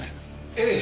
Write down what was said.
ええ。